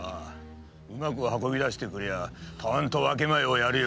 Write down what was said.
うまく運び出してくれりゃたんと分け前をやるよ。